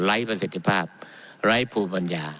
ประสิทธิภาพไร้ภูมิปัญญา